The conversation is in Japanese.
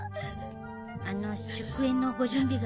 あの祝宴のご準備が。